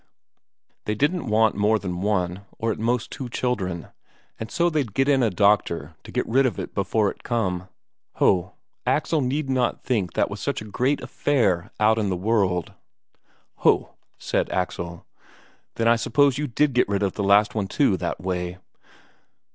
They didn't want more than one, or at most two children, and so they'd get in a doctor to get rid of it before it come. Ho, Axel need not think that was such a great affair out in the world! "Ho!" said Axel. "Then I suppose you did get rid of the last one too, that way?"